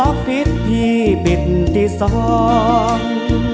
ออฟฟิศพี่ปิดที่สอง